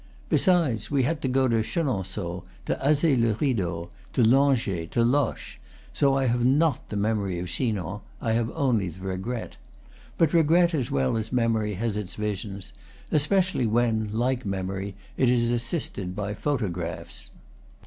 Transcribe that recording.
Besides, we had to go to Chenonceaux, to Azay le Rideau, to Langeais, to Loches. So I have not the memory of Chinon; I have only the regret. But regret, as well as memory, has its visions; especially when, like memory, it is assisted by photo graphs.